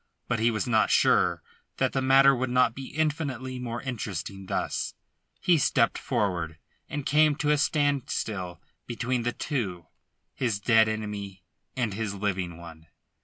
But he was not sure that the matter would not be infinitely more interesting thus. He stepped forward, and came to a standstill beside the two his dead enemy and his living one.